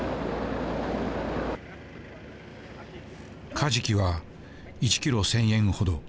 カジキは１キロ１，０００円ほど。